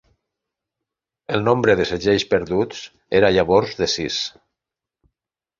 El nombre de segells perduts era llavors de sis.